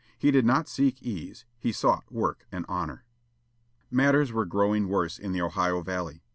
He did not seek ease; he sought work and honor. Matters were growing worse in the Ohio valley.